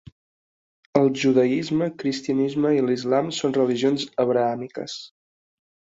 El judaisme, cristianisme i l'islam són religions abrahàmiques.